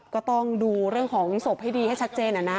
ก็ต้องดูเรื่องของศพให้ดีให้ชัดเจนนะ